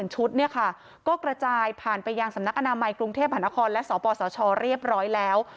ชุดเนี่ยค่ะก็กระจายผ่านไปยังสำนักอนามัยกรุงเทพหานครและสปสชเรียบร้อยแล้ว